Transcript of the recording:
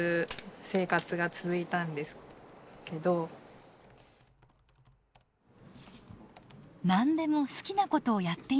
「何でも好きなことをやっていいんだよ」。